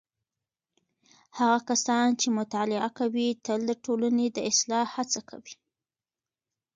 هغه کسان چې مطالعه کوي تل د ټولنې د اصلاح هڅه کوي.